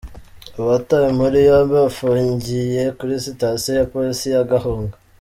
Abatawe muri yombi bafungiye kuri Sitasiyo ya Polisi ya Gahunga.